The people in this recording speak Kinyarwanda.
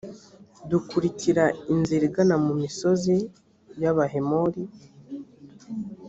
dukurikira inzira igana mu misozi y’abahemori